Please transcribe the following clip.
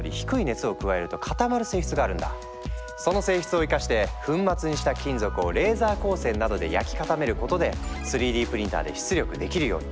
その性質を生かして粉末にした金属をレーザー光線などで焼き固めることで３Ｄプリンターで出力できるように。